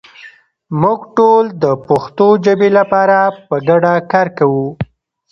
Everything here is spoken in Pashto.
موږ ټول د پښتو ژبې لپاره په ګډه کار کوو.